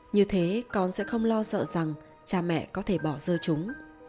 như thế con sẽ không lo sợ rằng cha mẹ có thể bỏ rơi chúng